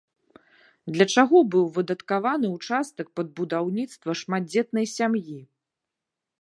Для чаго быў выдаткаваны ўчастак пад будаўніцтва шматдзетнай сям'і?